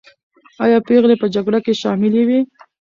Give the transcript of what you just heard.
آیا پېغلې په جګړه کې شاملي وې؟